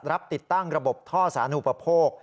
รับติดตั้งระบบท่อสารหุปโภค